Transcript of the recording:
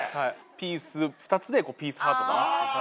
ピース２つでピースハート。